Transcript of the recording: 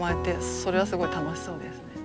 それはすごい楽しそうですね。